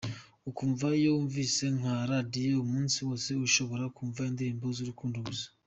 Ukumva iyo wumvise nka radiyo umunsi wose ushobora kumva indirimbo z’urukundo gusa.